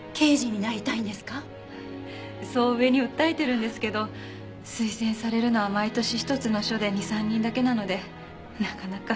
そう上に訴えてるんですけど推薦されるのは毎年１つの署で２３人だけなのでなかなか。